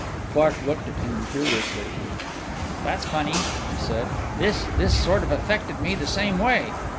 Clark looked at him curiously. "That's funny," he said. "This this sort of affected me the same way."